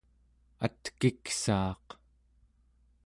atkiksaaq